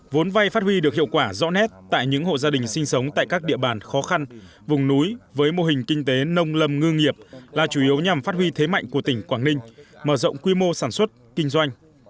vốn vay phát huy được hiệu quả rõ nét tại những hộ gia đình sinh sống tại các địa bàn khó khăn vùng núi với mô hình kinh tế nông lâm ngư nghiệp là chủ yếu nhằm phát huy thế mạnh của tỉnh quảng ninh mở rộng quy mô sản xuất kinh doanh